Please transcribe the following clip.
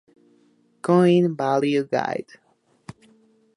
Coin Value Guide.